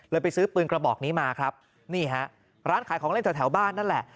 ไปซื้อปืนกระบอกนี้มาครับนี่ฮะร้านขายของเล่นแถวแถวบ้านนั่นแหละ